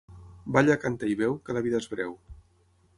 Balla, canta i beu, que la vida és breu.